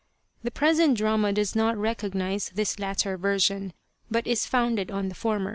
The present drama does not recognize this latter version, but is founded on the former.